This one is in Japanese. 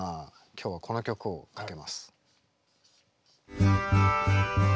今日はこの曲をかけます。